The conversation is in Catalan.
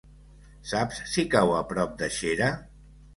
Saps si cau a prop de Xera?